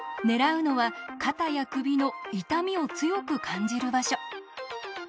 狙うのは肩や首の痛みを強く感じる場所。